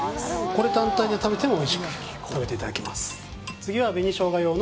これ単体で食べてもおいしく食べていただけます